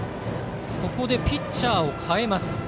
ピッチャーを代えます。